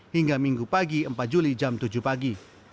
hingga minggu pagi empat juli jam tujuh pagi